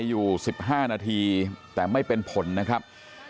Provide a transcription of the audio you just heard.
อยู่๑๕นาทีแต่ไม่เป็นผลนะครับ